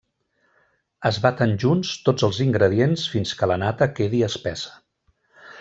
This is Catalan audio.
Es baten junts tots els ingredients fins que la nata quedi espessa.